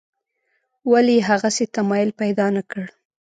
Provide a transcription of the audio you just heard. ولې یې هغسې تمایل پیدا نکړ.